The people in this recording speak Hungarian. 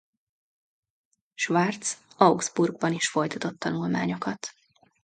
Schwarz Augsburgban is folytatott tanulmányokat.